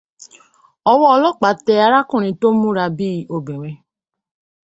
Ọwọ́ ọlọ́pàá tẹ arákùnrin tó múra bí obìnrin.